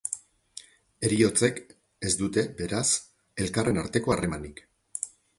Heriotzek ez dute, beraz, elkarren arteko harremanik.